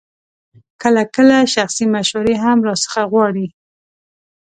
کله کله شخصي مشورې هم راڅخه غواړي.